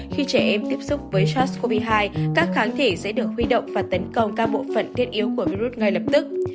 khi trẻ em tiếp xúc với sars cov hai các kháng thể sẽ được huy động và tấn công các bộ phận thiết yếu của virus ngay lập tức